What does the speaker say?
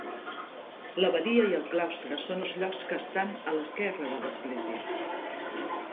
L'abadia i el claustre són els llocs que estan a l'esquerra de l'església.